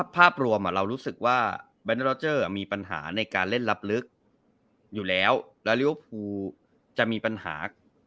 ภาพรวมอะเรารู้สึกว่ามีปัญหาในการเล่นลับลึกอยู่แล้วแล้วจะมีปัญหา